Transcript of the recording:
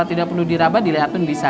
tidak perlu dirabat dilihat pun bisa